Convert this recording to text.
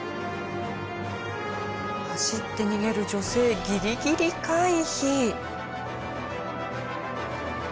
走って逃げる女性ギリギリ回避。